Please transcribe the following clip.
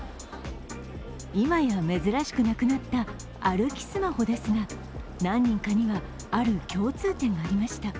今や珍しくなくなった歩きスマホですが何人かには、ある共通点がありました。